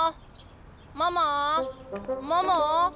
ママママ。